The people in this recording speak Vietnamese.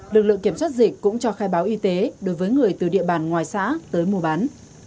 lực lượng kiểm soát dịch cũng cho khai báo y tế đối với người từ địa bàn ngoài xã tới mua bán